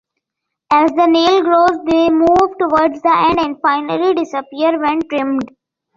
As the nail grows they move towards the end, and finally disappear when trimmed.